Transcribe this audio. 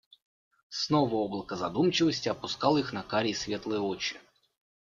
Снова облако задумчивости опускало их на карие светлые очи